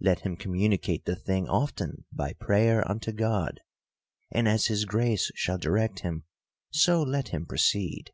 Let him communicate the thing often by prayer unto God ; and as his grace shall direct him, so let him proceed.